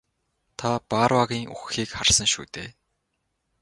Та Барруагийн үхэхийг харсан шүү дээ?